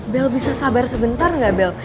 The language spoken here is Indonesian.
bel bisa sabar sebentar nggak bel